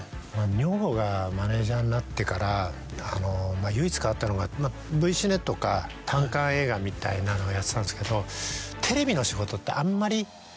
女房がマネージャーになってから唯一変わったのがＶシネとか単館映画みたいなのをやってたんですけどあんまり。